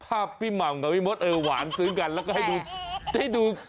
พี่หม่ำกับพี่มดเออหวานซื้อกันแล้วก็ให้ดูให้ดู